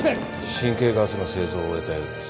神経ガスの製造を終えたようです